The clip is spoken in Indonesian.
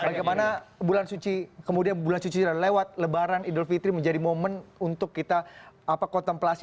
bagaimana bulan suci kemudian bulan suci lewat lebaran idul fitri menjadi momen untuk kita kontemplasi